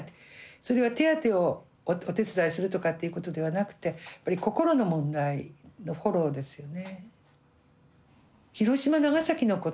それは手当をお手伝いするとかっていうことではなくてやっぱり心の問題のフォローですよね。